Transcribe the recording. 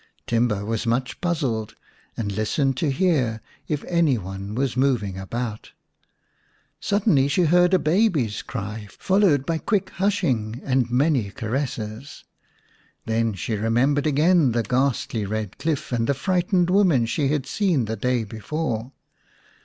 Timba was much puzzled, and listened to hear if any one was moving about. Suddenly she 106 ix The Serpent's Bride heard a baby's cry, followed by quick hushing and many caresses. Then she remembered again the ghastly red cliff and the frightened women she had seen the day before.